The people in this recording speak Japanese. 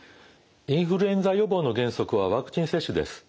インフルエンザ予防の原則はワクチン接種です。